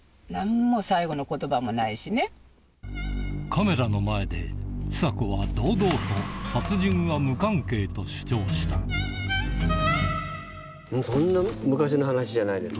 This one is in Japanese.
カメラの前で千佐子は堂々と主張したそんな昔の話じゃないです。